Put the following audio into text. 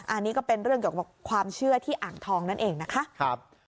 อันนี้ก็เป็นเรื่องเกี่ยวกับความเชื่อที่อ่างทองนั่นเองนะคะ